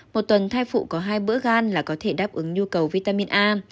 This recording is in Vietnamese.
một tuần thai phụ có hai bữa gan là có thể đáp ứng nhu cầu vitamin a